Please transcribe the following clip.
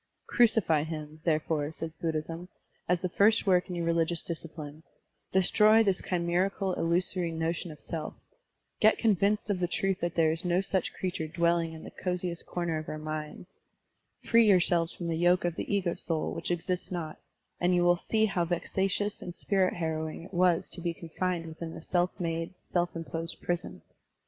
"Crucify him," therefore, says Buddhism, "as the first work in your religious discipline; destroy this chimerical, illu sory notion of self; get convinced of the truth that there is no such creature dwelling in the coziest comer of our minds; free yourselves from the yoke of the ego soul which exists not; and you will see how vexatious and spirit harrowing it was to be confined within the self made, self imposed prison.